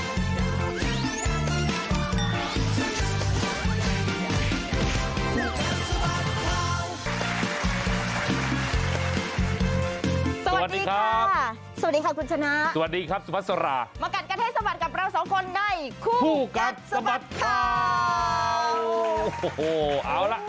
สวัสดีครับสวัสดีครับสวัสดีครับคุณชนะสวัสดีครับสุภัสรามากัดกัดให้สบัดกับเราสองคนในคู่กัดสบัดข่าว